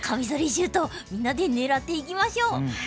シュートみんなで狙っていきましょう。